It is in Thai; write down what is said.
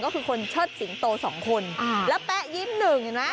ก็คือคนเชิดสิงโตสองคนแล้วแป๊ะยิ้มหนึ่ง